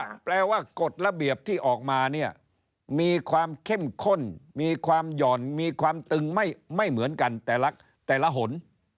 แปลว่ากฎระเบียบที่ออกมาเนี่ยมีความเข้มข้นมีความหย่อนมีความตึงไม่เหมือนกันแต่ละหน